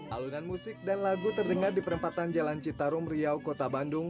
alunan musik dan lagu terdengar di perempatan jalan citarum riau kota bandung